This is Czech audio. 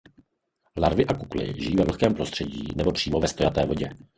Larvy i kukly žijí ve vlhkém prostředí nebo přímo ve stojaté vodě.